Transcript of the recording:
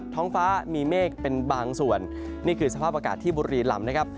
ท้องฟ้ามีเมฆเป็นบางส่วนนี่คือสภาพอากาศที่บุรีลำนะครับ